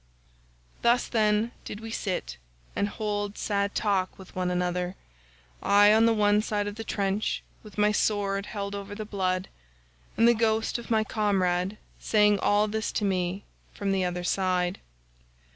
"Thus, then, did we sit and hold sad talk with one another, I on the one side of the trench with my sword held over the blood, and the ghost of my comrade saying all this to me from the other side.